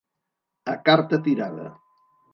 A carta tirada.